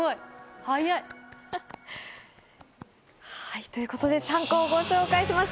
早い！ということで、３校をご紹介しました。